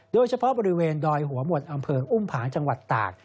โดยเฉพาะบริเวณดอยหัวหมดอำเภออุ้มผางจังหวัดตาก